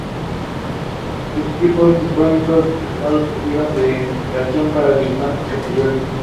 Sus tipos iconográficos y su estilo sirvieron de inspiración para dibujantes posteriores.